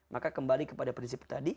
maka kembali kepada prinsip tadi